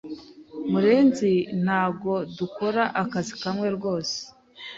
Murenzi Ntago dukora akazi kamwe rwose